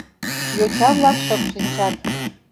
Йоча-влак шып шинчат.